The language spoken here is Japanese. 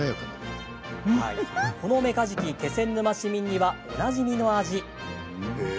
このメカジキ気仙沼市民にはおなじみの味。